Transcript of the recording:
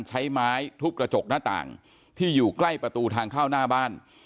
ใช้ไม้ทุบกระจกหน้าต่างที่อยู่ใกล้ประตูทางเข้าหน้าบ้าน